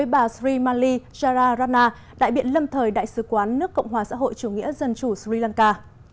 bà sri mali jara rana đại biện lâm thời đại sứ quán nước cộng hòa xã hội chủ nghĩa dân chủ sri lanka